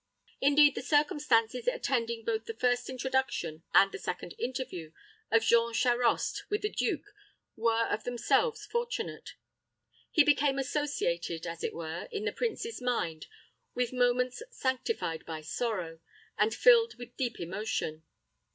Indeed, the circumstances attending both the first introduction and second interview of Jean Charost with the duke were of themselves fortunate. He became associated, as it were, in the prince's mind with moments sanctified by sorrow, and filled with deep emotion.